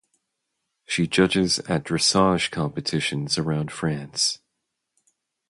She judges at dressage competitions around France.